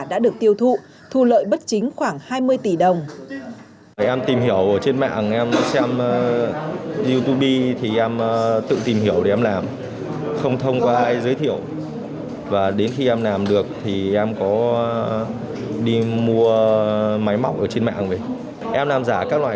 đã được tiêu thụ thu lợi bất chính khoảng hai mươi tỷ đồng